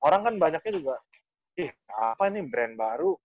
orang kan banyaknya juga ih apa ini brand baru